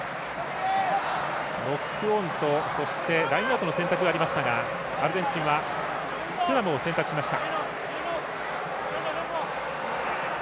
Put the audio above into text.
ノックオンと、そしてラインアウトの選択がありましたがアルゼンチンはスクラムを選択しました。